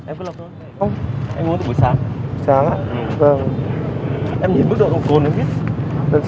em nhìn mức độ lỗ vi phạm em biết